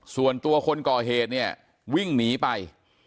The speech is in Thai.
ส่วนตัวคนก่อเหตุเนี่ยวิ่งหนีไป